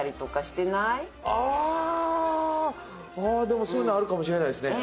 でもそういうのあるかもしれないですね。